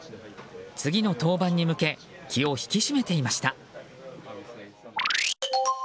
次の登板に向け気を引き締めていました。